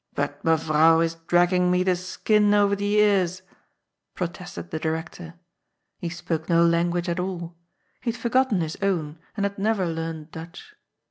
" But Mevrouw is dragging me the skin over the ears," protested the Director. He spoke no language at all. He had forgotten his own, and had never learned Dutch.